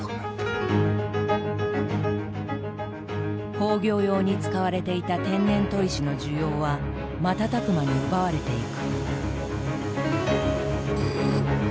工業用に使われていた天然砥石の需要は瞬く間に奪われていく。